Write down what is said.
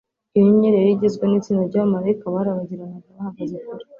Iyo nyenyeri yari igizwe n'itsinda ry'abamaraika barabagiranaga bahagaze kure.